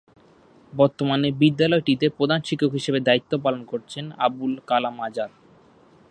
বর্তমানে বিদ্যালয়টিতে প্রধান শিক্ষক হিসেবে দায়িত্ব পালন করছেন আবুল কালাম আজাদ।